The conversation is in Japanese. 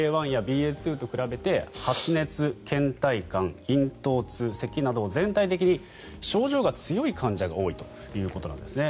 ．１やＢＡ．２と比べて発熱、けん怠感、咽頭痛せきなど全体的に症状が強い患者が多いということなんですね。